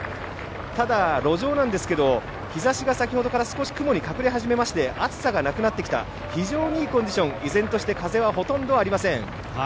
ただ、路上なんですけど日差しが先ほどから雲に隠れ始めまして暑さがなくなってきた、非常にいいコンディション依然として風はほとんどありません。